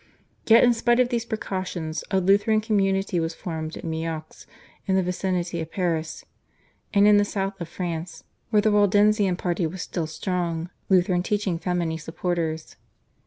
Yet in spite of these precautions a Lutheran community was formed at Meaux in the vicinity of Paris, and in the South of France, where the Waldensian party was still strong, Lutheran teaching found many supporters.